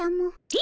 え？